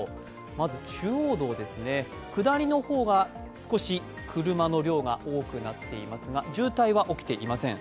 まず中央道ですね、下りの方が少し車の量が多くなっていますが渋滞は起きていません。